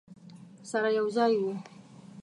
سره یو ځای وو.